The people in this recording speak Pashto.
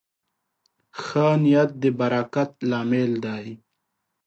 ښه نیت د برکت لامل دی.